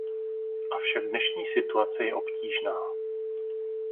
Avšak dnešní situace je obtížná.